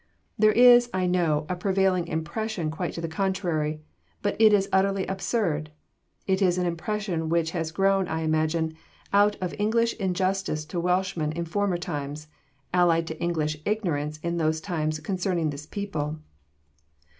There is, I know, a prevailing impression quite to the contrary; but it is utterly absurd. It is an impression which has grown, I imagine, out of English injustice to Welshmen in former times, allied to English ignorance in those times concerning this people.